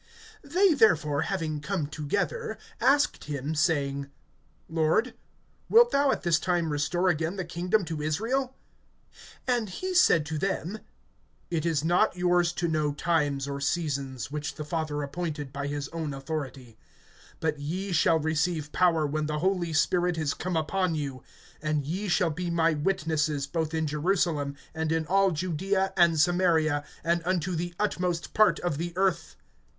(6)They therefore, having come together[1:6], asked him, saying: Lord, wilt thou at this time restore again the kingdom to Israel? (7)And he said to them: It is not yours to know times or seasons, which the Father appointed by his own authority[1:7]. (8)But ye shall receive power, when the Holy Spirit is come upon you; and ye shall be my witnesses both in Jerusalem, and in all Judaea, and Samaria, and unto the utmost part of the earth.